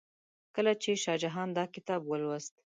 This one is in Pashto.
کله چې شاه جهان دا کتاب ولوست.